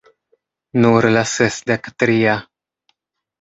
Nur la sesdek tria...